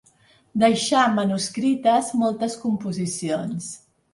Deixà manuscrites moltes composicions.